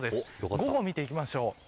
午後、見ていきましょう。